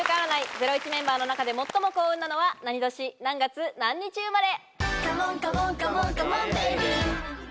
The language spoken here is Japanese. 『ゼロイチ』メンバーの中で最も幸運なのは何年、何月、何日、生まれ。